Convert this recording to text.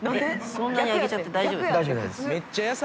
そんなに上げちゃって大丈夫大丈夫。